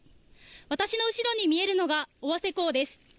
私の後ろに見えるのが尾鷲港です。